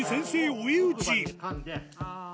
追い打ち